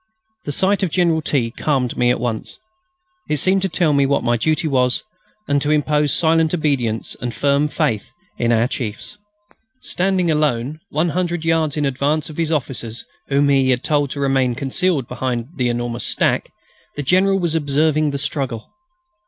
The sight of General T. calmed me at once. It seemed to tell me what my duty was, and to impose silent obedience and firm faith in our chiefs. Standing alone, 100 yards in advance of his officers, whom he had told to remain concealed behind the enormous stack, the General was observing the struggle.